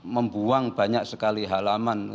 membuang banyak sekali halaman